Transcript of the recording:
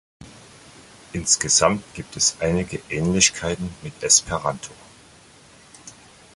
Insgesamt gibt es einige Ähnlichkeiten mit Esperanto.